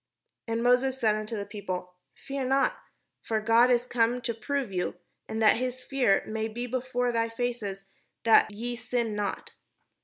And Moses said unto the people : "Fear not : for God is come to prove you, and that his fear may be before their faces, that ye sin not."